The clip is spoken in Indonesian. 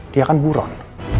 dia kan buron